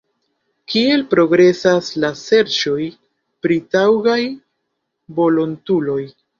Kiel progresas la serĉoj pri taŭgaj volontuloj?